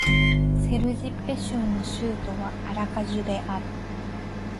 セルジッペ州の州都はアラカジュである